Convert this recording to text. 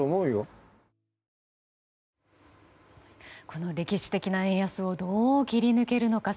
この歴史的な円安をどう切り抜けるのか。